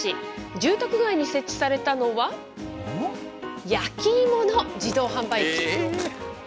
住宅街に設置されたのは、焼き芋の自動販売機。